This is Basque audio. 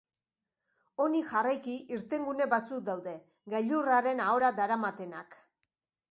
Honi jarraiki, irtengune batzuk daude, gailurraren ahora daramatenak.